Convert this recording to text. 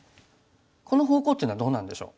この方向っていうのはどうなんでしょう？